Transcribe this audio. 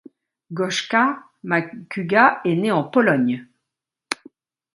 Goshka Macuga est née en Pologne.